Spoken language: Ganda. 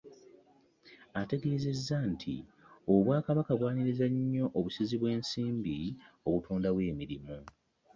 Ategeezezza nti Obwakabaka bwaniriza nnyo obusizi bw'ensimbi obutondawo emirimu.